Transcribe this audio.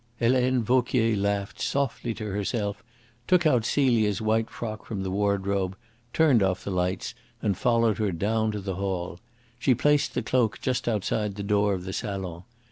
Helene Vauquier laughed softly to herself, took out Celia's white frock from the wardrobe, turned off the lights, and followed her down to the hall. She placed the cloak just outside the door of the salon.